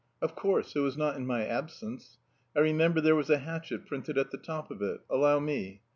"Of course, it was not in my absence. I remember there was a hatchet printed at the top of it. Allow me."